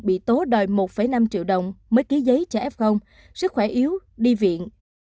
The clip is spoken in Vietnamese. bị tố đòi một năm triệu đồng mới ký giấy cho f sức khỏe yếu đi viện